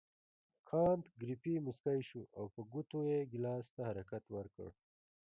کانت ګریفي مسکی شو او په ګوتو یې ګیلاس ته حرکت ورکړ.